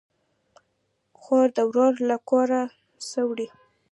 خور ده ورور له کوره سه وړي